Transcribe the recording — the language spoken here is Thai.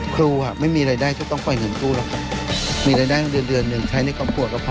ไม่มีรายได้ก็ต้องปล่อยเงินกู้หรอกครับมีรายได้เดือนเดือนหนึ่งใช้ในครอบครัวก็พอ